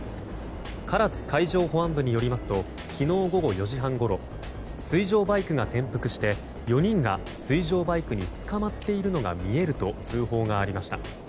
唐津海上保安部によりますと昨日午後４時半ごろ水上バイクが転覆して４人が水上バイクにつかまっているのが見えると通報がありました。